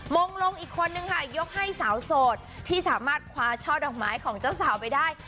มงลงอีกคนนึงค่ะยกให้สาวโสดที่สามารถคว้าช่อดอกไม้ของเจ้าสาวไปได้